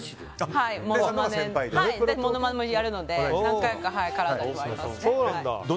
ものまねもやるので何回か絡んだことあります。